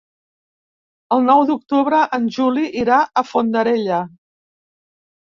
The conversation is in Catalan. El nou d'octubre en Juli irà a Fondarella.